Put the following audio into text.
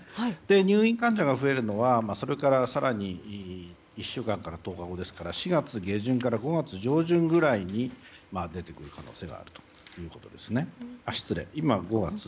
入院患者が増えるのはそれから更に１週間から１０日後ですから５月下旬から６月上旬ぐらいに出てくる可能性があると。